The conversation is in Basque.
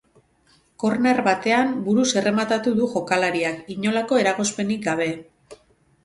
Korner batean buruz errematatu du jokalariak, inolako eragozpenik gabe.